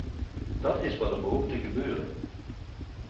Dat is wat er behoort te gebeuren!